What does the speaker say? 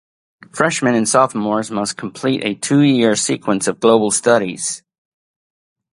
Freshmen and sophomores must complete a full two-year sequence of Global Studies.